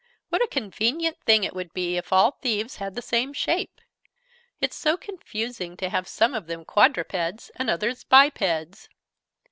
"What a convenient thing it would be if all thieves had the same shape! It's so confusing to have some of them quadrupeds and others bipeds!"